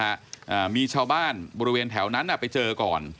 อ่ามีชาวบ้านบริเวณแถวนั้นอ่ะไปเจอก่อน